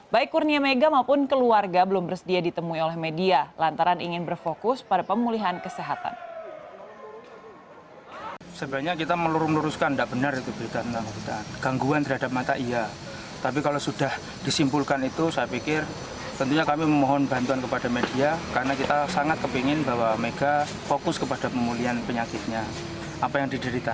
baik kurnia mega maupun keluarga belum bersedia ditemui oleh media lantaran ingin berfokus pada pemulihan kesehatan